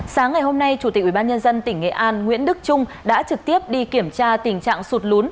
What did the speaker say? sáng ngày hôm nay chủ tịch ubnd tỉnh nghệ an nguyễn đức trung đã trực tiếp đi kiểm tra tình trạng sụt lún